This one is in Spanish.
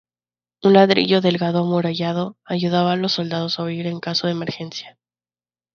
Un ladrillo delgado amurallado ayudaba a los soldados a huir en caso de emergencia.